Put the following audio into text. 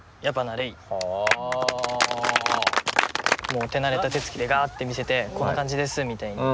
もう手慣れた手つきでガーッて見せて「こんな感じです」みたいに。